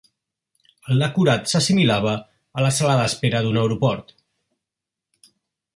El decorat s'assimilava a la sala d'espera d'un aeroport.